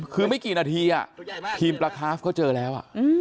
คือไม่กี่นาทีทีมปลาคาฟเขาเจอแล้ว